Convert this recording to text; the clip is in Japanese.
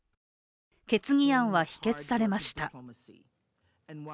決議案は否決されました。